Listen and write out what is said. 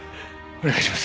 お願いします。